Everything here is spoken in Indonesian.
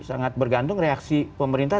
sangat bergantung reaksi pemerintah